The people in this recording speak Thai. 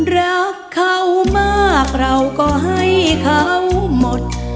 รักเขามากเราก็ให้เขาหมด